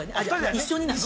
一緒になの？